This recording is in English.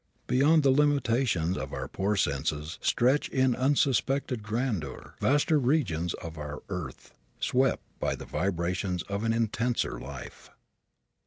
Beyond the limitation of our poor senses stretch in unsuspected grandeur vaster regions of our earth, swept by the vibrations of an intenser life.